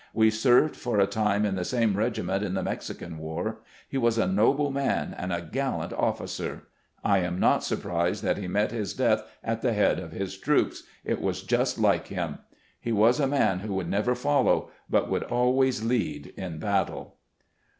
We served for a time in the same regiment in the Mexican war. He was a noble man and a gallant officer. I am not surprised that he met his death at the head of his troops ; it was just like him. • He was a man who would never follow, but would always lead in battle."